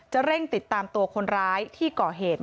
เร่งติดตามตัวคนร้ายที่ก่อเหตุ